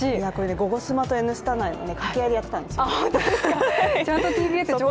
「ゴゴスマ」と「Ｎスタ」内のかけ合いでやってたんですよ。